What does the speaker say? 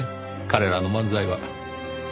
彼らの漫才は。